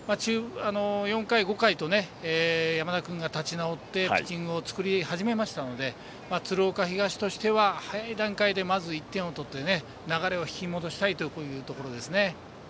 ４回、５回と山田君が立ち直ってピッチングを作り始めましたので鶴岡東としては早い段階でまず１点を取って流れを引き戻したいところですね。